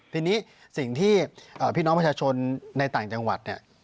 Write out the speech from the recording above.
ทีนี้สิ่งที่พี่น้องประชาชนในต่างจังหวัดเนี่ย